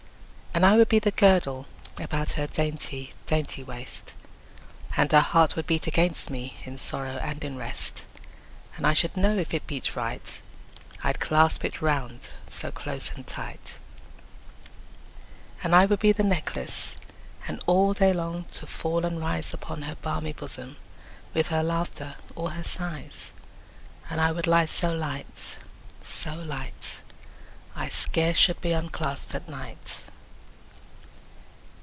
And I would be the girdle About her dainty dainty waist, And her heart would beat against me, In sorrow and in rest: 10 And I should know if it beat right, I'd clasp it round so close and tight. And I would be the necklace, And all day long to fall and rise Upon her balmy bosom, 15 With her laughter or her sighs: And I would lie so light, so light, I scarce should be unclasp'd at night.